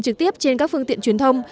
trực tiếp trên các phương tiện truyền thông